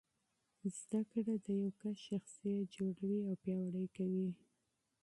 زده کړه د فرد شخصیت جوړوي او پیاوړی کوي.